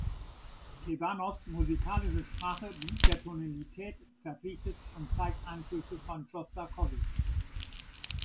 Klebanows musikalische Sprache blieb der Tonalität verpflichtet und zeigt Einflüsse von Schostakowitsch.